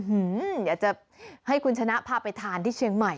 อยากจะให้คุณชนะพาไปทานที่เชียงใหม่